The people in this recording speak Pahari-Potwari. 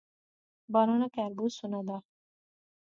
بانو نا کہر بہوں سوہنا زا